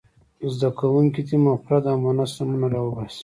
زده کوونکي دې مفرد او مؤنث نومونه را وباسي.